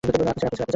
আপনি, স্যার।